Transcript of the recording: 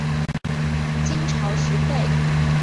金朝时废。